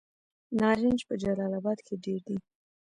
نارنج په جلال اباد کې ډیر دی.